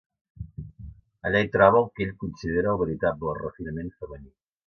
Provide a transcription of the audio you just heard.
Allà hi troba el que ell considera el veritable refinament femení.